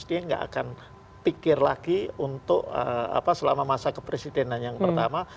dia nggak akan pikir lagi untuk selama masa kepresidenan yang pertama